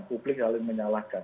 publik saling menyalahkan